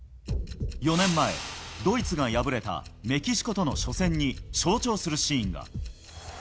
４年前、ドイツが敗れたメキシコとの初戦に象徴するシーンが。